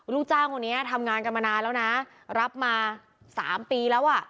ลูกจ้างคนนี้ทำงานกันมานานแล้วนะรับมา๓ปีแล้วอ่ะ